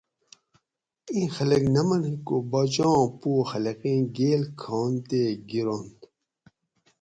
ایں خلق نہ منگ کو باچا آں پو خلقیں گیل کھُن تے گیرونت